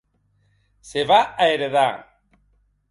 Se va a heredar.